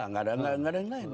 nggak ada yang lain